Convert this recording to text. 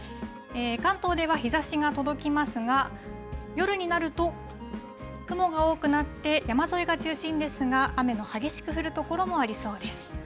関東では日ざしが届きますが、夜になると、雲が多くなって、山沿いが中心ですが、雨の激しく降る所もありそうです。